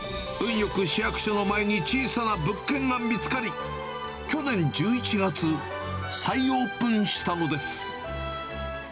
よく、市役所の前に小さな物件が見つかり、去年１１月、再オープンしたのです。